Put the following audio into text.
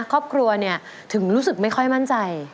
ครอบครัวเนี่ยถึงรู้สึกไม่ค่อยมั่นใจ